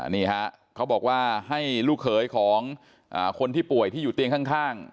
นี่ฮะเขาบอกว่าให้ลูกเขยของคนที่ป่วยที่อยู่เตียงข้าง